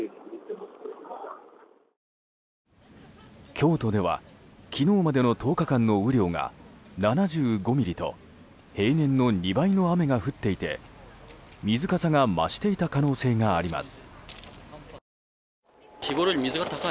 京都では昨日までの１０日間の雨量が７５ミリと平年の２倍の雨が降っていて水かさが増していた可能性があります。